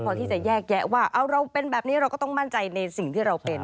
พอที่จะแยกแยะว่าเราเป็นแบบนี้เราก็ต้องมั่นใจในสิ่งที่เราเป็น